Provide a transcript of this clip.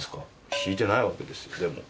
弾いてないわけですよでも。